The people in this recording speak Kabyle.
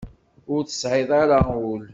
Ur tesɛiḍ ara ul.